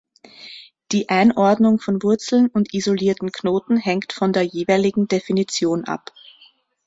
Die Einordnung von Wurzeln und isolierten Knoten hängt von der jeweiligen Definition ab.